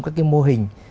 các cái mô hình